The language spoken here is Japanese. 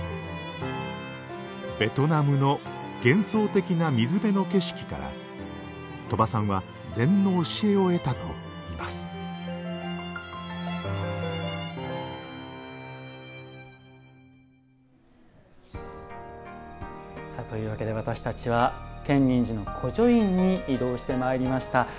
ベトナムの幻想的な水辺の景色から鳥羽さんは禅の教えを得たといいますというわけで私たちは建仁寺の小書院に移動してまいりました。